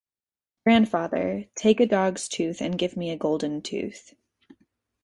Grandfather, take a dog's tooth and give me a golden tooth.